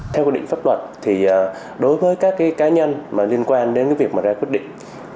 theo quy định pháp luật thì đối với các cá nhân liên quan đến việc ra quyết định